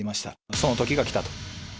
そのときが来たと。